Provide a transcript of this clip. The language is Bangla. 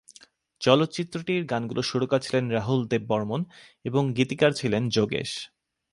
চলচ্চিত্রটির গানগুলোর সুরকার ছিলেন রাহুল দেব বর্মণ এবং গীতিকার ছিলেন যোগেশ।